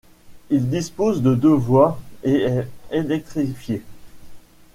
Il dispose de deux voies et est électrifié.